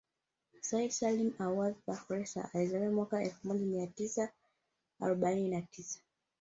Said Salim Awadh Bakhresa alizaliwa mwaka elfu moja mia tisa arobaini na tisa